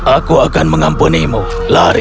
aku akan mengampunimu lari